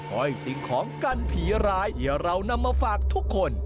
ห้อยสิ่งของกันผีร้ายที่เรานำมาฝากทุกคน